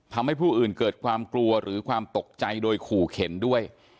ทำให้ผู้อื่นเกิดความกลัวหรือความตกใจโดยขู่เข็นด้วย